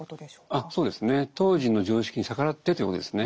あそうですね。当時の常識に逆らってということですね。